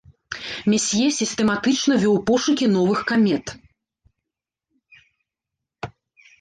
Месье сістэматычна вёў пошукі новых камет.